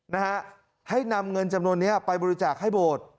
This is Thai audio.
นะฮะให้นำเงินจำนวนนี้ไปบริจาคให้โบสถ์